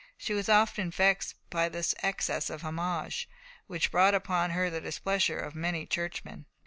She was often vexed by this excess of homage, which brought upon her the displeasure of many churchmen.